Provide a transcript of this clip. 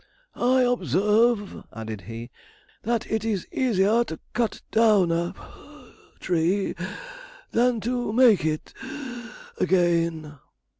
'I observe,' added he, 'that it is easier to cut down a (puff) tree than to make it (wheeze) again.'